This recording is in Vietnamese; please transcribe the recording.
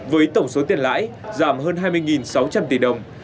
với tổng số tiền lãi giảm hơn hai mươi sáu trăm linh tỷ đồng